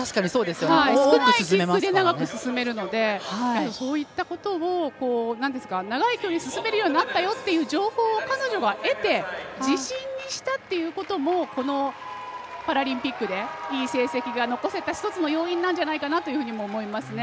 少ないキックで長く進めるのでそういったことを長い距離進めるようになったよという情報を彼女が得て自信にしたっていうこともこのパラリンピックでいい成績が残せた１つの要因なんじゃないかなと思いますね。